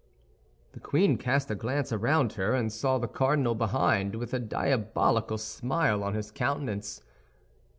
The queen cast a glance around her, and saw the cardinal behind, with a diabolical smile on his countenance.